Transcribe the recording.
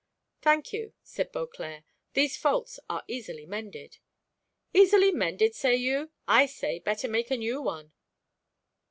"Thank you," said Beauclerc, "these faults are easily mended." "Easily mended, say you? I say, better make a new one."